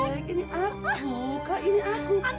hei bantu dia